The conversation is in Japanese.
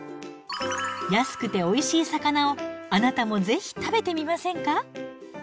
安くておいしい魚をあなたもぜひ食べてみませんか？